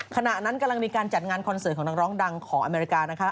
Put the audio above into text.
ขณะนั้นกำลังมีการจัดงานคอนเสิร์ตของนักร้องดังของอเมริกานะคะ